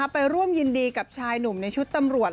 ไปร่วมยินดีกับชายหนุ่มในชุดตำรวจ